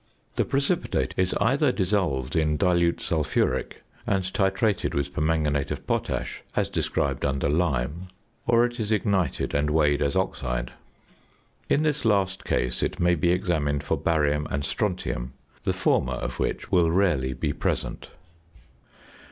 The precipitate is either dissolved in dilute sulphuric and titrated with permanganate of potash as described under Lime (p. 322); or it is ignited and weighed as oxide. In this last case it may be examined for barium and strontium, the former of which will rarely be present.